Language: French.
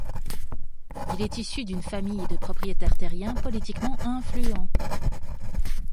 Il est issu d'une famille de propriétaires terriens politiquement influents.